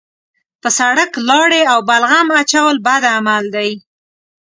په سړک لاړې او بلغم اچول بد عمل دی.